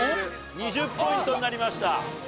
２０ポイントになりました。